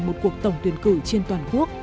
một cuộc tổng tuyển cử trên toàn quốc